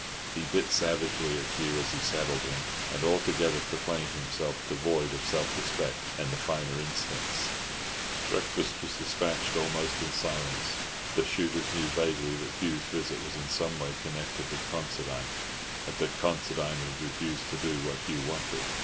He bit savagely at Hugh as he saddled him, and altogether proclaimed himself devoid of self respect and the finer instincts. Breakfast was despatched almost in silence. The shooters knew vaguely that Hugh's visit was in some way connected with Considine, and that Considine had refused to do what Hugh wanted.